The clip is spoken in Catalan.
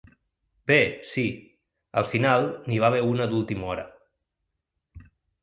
Bé, sí, al final n’hi va haver una d’última hora.